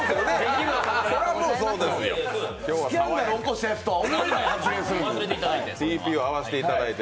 スキャンダル起こしたやつとは思えない発言をする。